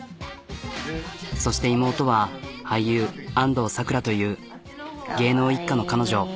そして妹は俳優安藤サクラという芸能一家の彼女。